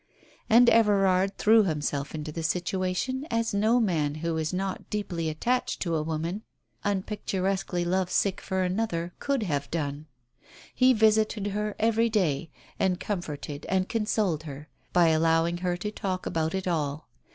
And Everard threw himself into the situation as no man who is not deeply attached to a woman unpictur esquely lovesick for another could have done. He visited her every day, and comforted and consoled her by allowing her to talk about it all.